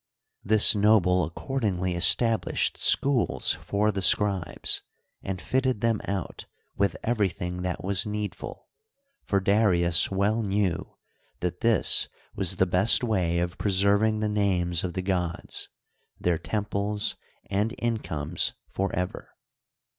This noble accordingly established schools for the scribes and fitted them out with everything that was needful, for Darius well knew that this was the best way of preserving the names of the gods, their temples and incomes forever.